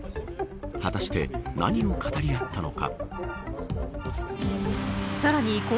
果たして、何を語りあったのか。